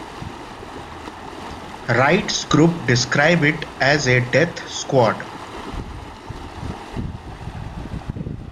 Rights group describe it as a death squad.